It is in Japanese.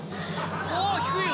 お低いよ。